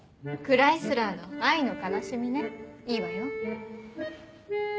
クライスラーの『愛の悲しみ』ねいいわよ。